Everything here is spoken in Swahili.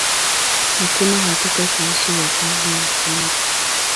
Hakuna hakika kuhusu wakazi wa kwanza.